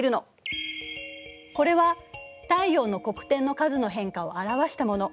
これは太陽の黒点の数の変化を表したもの。